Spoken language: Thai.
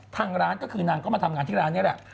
ทางร้านก็คือนางก็มาทำงานที่ร้านนี้แหละ